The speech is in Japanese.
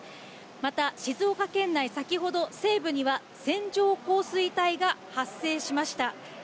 また静岡県内、先ほど西部には線状降水帯が発生しました。